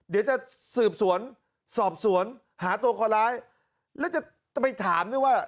เดี๋ยวจะสืบสวนสอบสวนหาตัวคนร้ายแล้วจะไปถามด้วยว่า